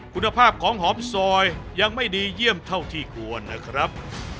คุณภาพของหอมซอยยังไม่ดีเยี่ยมเท่าที่ควรนะครับ